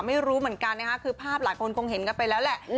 ไม่รู้เหมือนกันนะคะคือภาพหลายคนคงเห็นกันไปแล้วแหละ